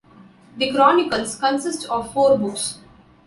The chronicles consist of four books.